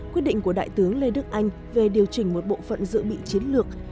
quyết định của đại tướng lê đức anh về điều chỉnh một bộ phận dự bị chiến lược